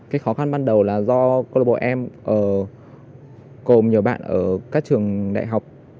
cái khó khăn ban đầu là do câu lạc bộ em cùng nhiều bạn ở các trường đại học